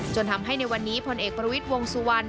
จนทำให้ในวันนี้พลเอกประวิทย์วงสุวรรณ